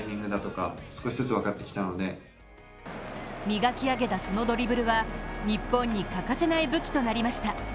磨き上げたそのドリブルは日本に欠かせない武器となりました。